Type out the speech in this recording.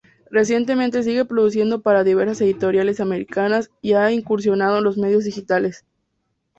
Recientemente sigue produciendo para diversas editoriales americanas y ha incursionado en los medios digitales.